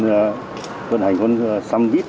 tuyên hành con samvit